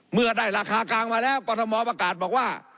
เมื่อได้ราคากลางมาแล้วกรทมประกาศบอกว่า